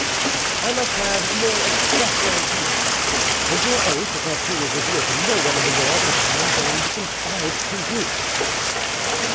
"I must have more express guarantees, and your oath that you will reveal to no one in the world what I am going to confide to you."